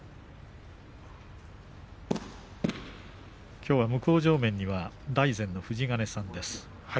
きょうは向正面には大善の富士ヶ根さんです。